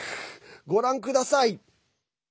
ご覧ください。